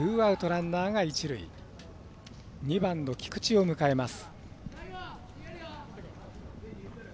２番の菊地を迎えます。